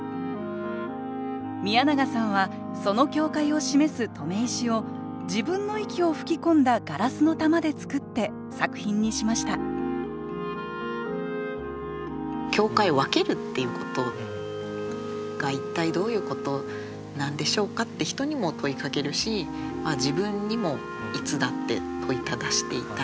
宮永さんはその境界を示す留め石を自分の息を吹き込んだガラスの玉で作って作品にしました境界を分けるっていうことが一体どういうことなんでしょうかって人にも問いかけるし自分にもいつだって問いただしていたい。